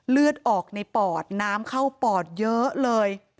เลือดออกในปอดน้ำเข้าปอดเยอะเลย